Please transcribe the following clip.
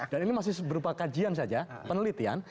dan ini masih berupa kajian saja penelitian